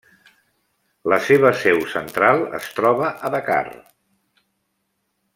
La seva seu central es troba a Dakar.